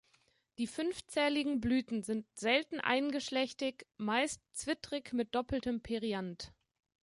Die fünfzähligen Blüten sind selten eingeschlechtig, meist zwittrig mit doppeltem Perianth.